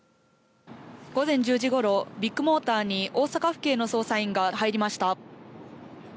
午前１０時ごろビッグモーターに大阪府警の捜査員が入りました。